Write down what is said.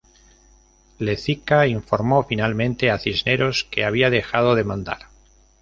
Lezica informó finalmente a Cisneros que había dejado de mandar.